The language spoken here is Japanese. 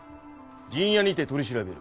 陣屋にて取り調べる。